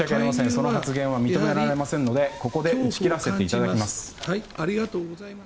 その発言は認められませんのでここで打ち切らせていただきます。